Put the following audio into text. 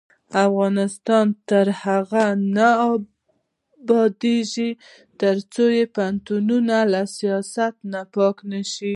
افغانستان تر هغو نه ابادیږي، ترڅو پوهنتونونه له سیاست پاک نشي.